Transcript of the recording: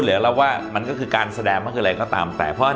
เหลือแล้วว่ามันก็คือการแสดงมันคืออะไรก็ตามแต่เพราะ